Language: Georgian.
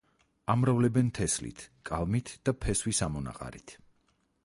ამრავლებენ თესლით, კალმით და ფესვის ამონაყარით.